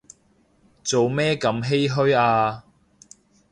做咩咁唏噓啊